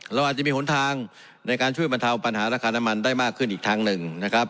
เราอาจจะมีหนทางในการช่วยบรรเทาปัญหาราคาน้ำมันได้มากขึ้นอีกทางหนึ่งนะครับ